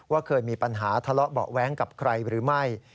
เคยมีปัญหาทะเลาะเบาะแว้งกับใครหรือไม่